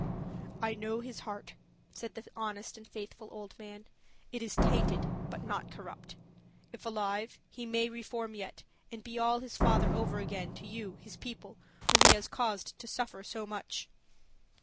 "I know his heart," said the honest and faithful old man; "it is tainted, but not corrupt. If alive, he may reform yet, and be all his father over again to you, his people, whom he has caused to suffer so much."